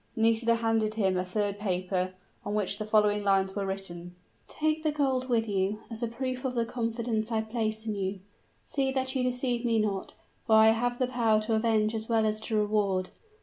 Nisida handed him a third paper, on which the following lines were written: "Take the gold with you, as a proof of the confidence I place in you. See that you deceive me not; for I have the power to avenge as well as to reward.